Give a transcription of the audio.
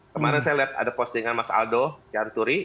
kemarin saya lihat ada postingan mas aldo yanturi